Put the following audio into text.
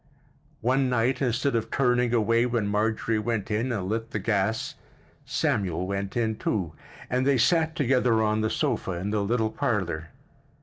One night, instead of turning away when Marjorie went in and lit the gas, Samuel went in, too, and they sat together on the sofa in the little parlor.